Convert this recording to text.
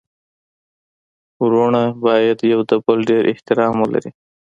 ورونه باید يو د بل ډير احترام ولري.